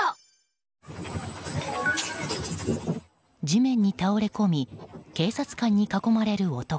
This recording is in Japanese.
地面に倒れ込み警察官に囲まれる男。